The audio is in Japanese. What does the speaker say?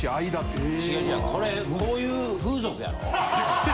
違う違うこれこういう風俗やろ？